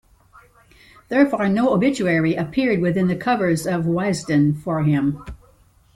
Therefore, no obituary appeared within the covers of Wisden for him.